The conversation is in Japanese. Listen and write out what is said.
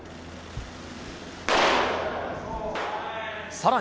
さらに。